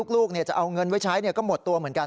ลูกเนี่ยจะเอาเงินไว้ใช้เนี่ยก็หมดตัวเหมือนกัน